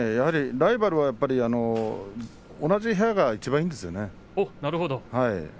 ライバルは同じ部屋がいちばんいいですよね。